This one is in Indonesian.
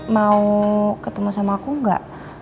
mau ketemu sama aku gak